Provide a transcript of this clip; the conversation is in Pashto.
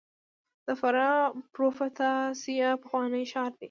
د فراه پروفتاسیا پخوانی ښار دی